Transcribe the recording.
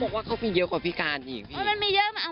ต้องเรียกภรรยา